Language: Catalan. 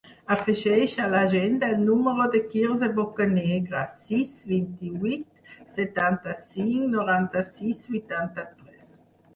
Afegeix a l'agenda el número del Quirze Bocanegra: sis, vint-i-vuit, setanta-cinc, noranta-sis, vuitanta-tres.